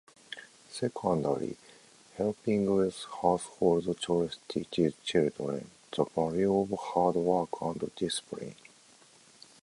Secondly, helping with household chores teaches children the value of hard work and discipline.